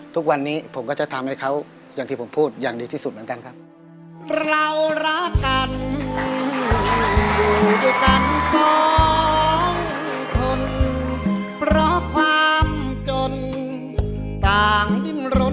ทุกวันนี้ผมก็จะทำให้เขาอย่างที่ผมพูดอย่างดีที่สุดเหมือนกันครับ